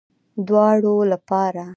دواړو لپاره